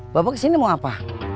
bapak kesini mau apa